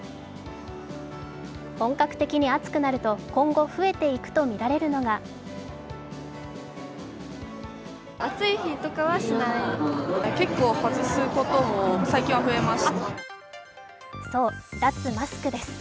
本格的に暑くなると今後増えていくとみられるのがそう、脱マスクです。